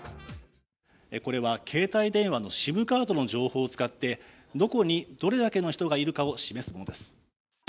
これは携帯電話のＳＩＭカードの情報を使ってどこにどれだけの人がいるかを示すものです。